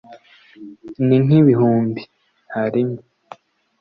ni nk’ ibihumbi…harimo